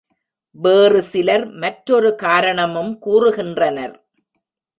வேறு சிலர் மற்றொரு காரணமும் கூறுகின்றனர்.